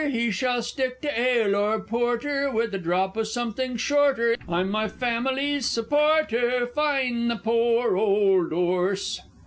He shall stick to ale or porter, With a drop o' something shorter, I'm my family's supporter Fine the poor old 'orse!